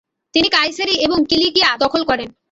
তিনি কায়সেরি এবং কিলিকিয়া দখল করেন।